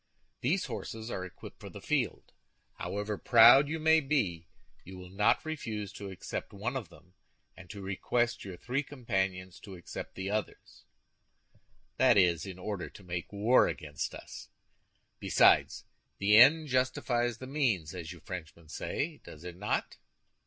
These horses are equipped for the field. However proud you may be, you will not refuse to accept one of them, and to request your three companions to accept the others—that is, in order to make war against us. Besides, the end justified the means, as you Frenchmen say, does it not?"